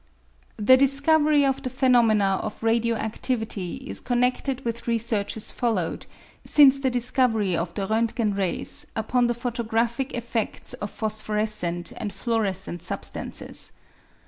The discovery of the phenomena of radio adtivity is con nedted with researches followed, since the discovery of the Rontgen rays, upon the photographic eftedts of phos phorescent and fluorescent substances.